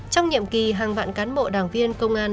trong nhiệm kỳ hàng vạn cán bộ đảng viên công an